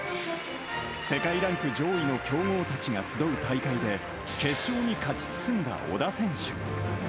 世界ランク上位の強豪たちが集う大会で、決勝に勝ち進んだ小田選手。